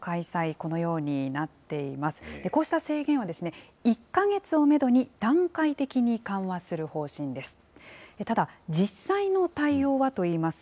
こうした制限は、１か月をメドに段階的に緩和する方針です。